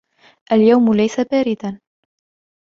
اليوم ليس بارداً.